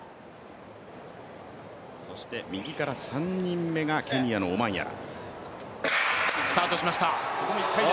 そして右から３人目がケニアのオマンヤラ。